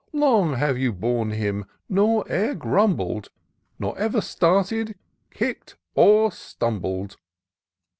Long have you borne him, nor e'er grumbled, Nor ever started, kick'd or stumbled."